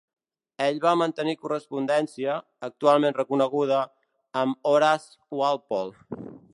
Ell va mantenir correspondència, actualment reconeguda, amb Horace Walpole.